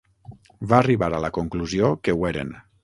Va arribar a la conclusió que ho eren.